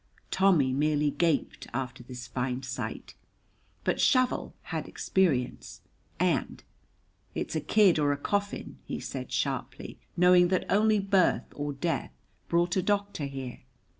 Tommy merely gaped after this fine sight, but Shovel had experience, and "It's a kid or a coffin." he said sharply, knowing that only birth or death brought a doctor here.